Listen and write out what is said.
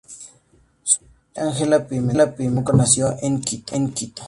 Su madre, Angela Pimentel Franco, nació en Quito.